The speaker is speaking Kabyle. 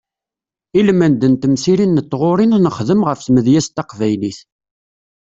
Ilmend n temsirin d tɣuriwin nexdem ɣef tmedyazt taqbaylit.